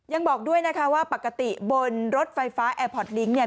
ยังบอกด้วยว่าปกติบนรถไฟฟ้าแอร์พอร์ตลิงค์